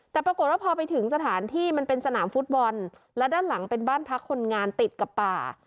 แต่ปรากฏว่าพอไปถึงสถานที่มันเป็นสนามฟุตบอลและด้านหลังเป็นบ้านพักคนงานติดกับป่า